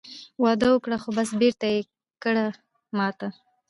وعده وکړې خو بس بېرته یې کړې ماته